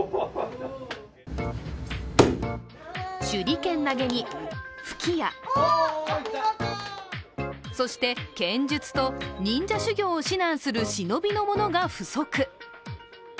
手裏剣投げに吹き矢そして剣術と忍者修行を指南する忍びの者が不足。